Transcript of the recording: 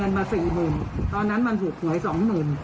แต่กลัวที่ชี้หน้าก่อนนะ